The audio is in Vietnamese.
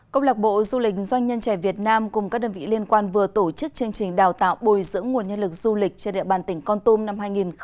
công lạc bộ du lịch doanh nhân trẻ việt nam cùng các đơn vị liên quan vừa tổ chức chương trình đào tạo bồi dưỡng nguồn nhân lực du lịch trên địa bàn tỉnh con tôm năm hai nghìn hai mươi